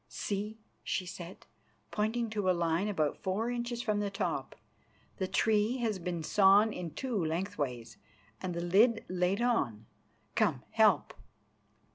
"See," she said, pointing to a line about four inches from the top, "the tree has been sawn in two length ways and the lid laid on. Come, help."